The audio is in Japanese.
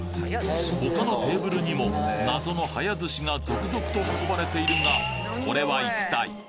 他のテーブルにも謎の早ずしが続々と運ばれているがこれは一体？